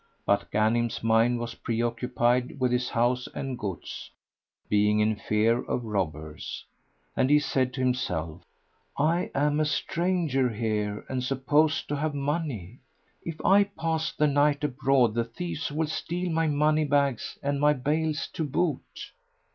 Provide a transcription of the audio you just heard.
But Ghanim's mind was preoccupied with his house and goods, being in fear of robbers, and he said to himself, "I am a stranger here and supposed to have money; if I pass the night abroad the thieves will steal my money bags and my bales to boot."